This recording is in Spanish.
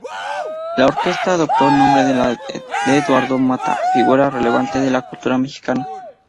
La orquesta adopta el nombre de Eduardo Mata, figura relevante de la cultura mexicana.